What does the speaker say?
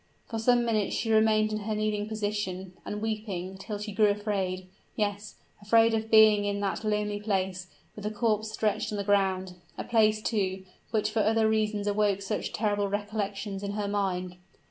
For some minutes she remained in her kneeling position, and weeping, till she grew afraid yes, afraid of being in that lonely place, with the corpse stretched on the ground a place, too, which for other reasons awoke such terrible recollections in her mind.